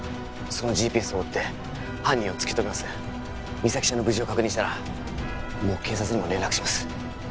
そのＧＰＳを追って犯人を突き止めます実咲ちゃんの無事を確認したらもう警察にも連絡します